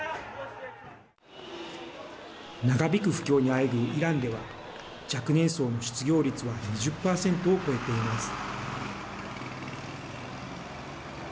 長引く不況にあえぐイランでは若年層の失業率は２０％を超えています。